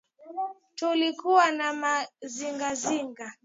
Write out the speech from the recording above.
Tulikuwa na mazigaziga